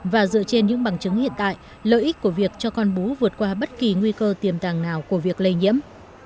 và dựa trên những bằng chứng hiện tại lợi ích của việc cho con bú vượt qua bất kỳ nguy cơ tiềm tàng nào của việc lây nhiễm